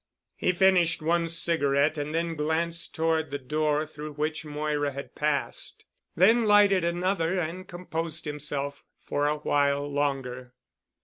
He finished one cigarette and then glanced toward the door through which Moira had passed. Then lighted another and composed himself for awhile longer.